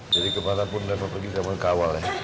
jadi kemana pun rafa pergi siapa yang kawal ya